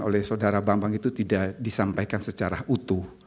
oleh saudara bambang itu tidak disampaikan secara utuh